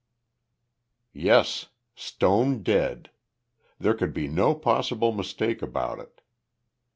Yes stone dead. There could be no possible mistake about it.